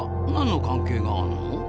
何の関係があるの？